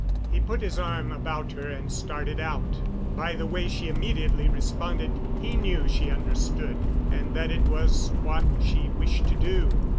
He put his arm about her and started out. By the way she immediately responded he knew she understood, and that it was what she wished to do.